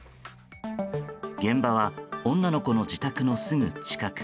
現場は女の子の自宅のすぐ近く。